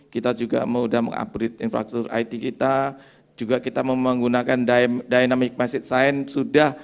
kita juga udah mengupgrade infrastruktur it kita juga kita menggunakan dynamic message sign sudah